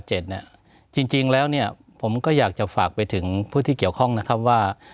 จริงแล้วเนี่ยผมก็อยากจะฝากไปถึงผู้ที่เกี่ยวข้องนะครับว่า